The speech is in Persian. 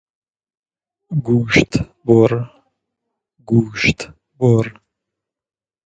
گوشت بر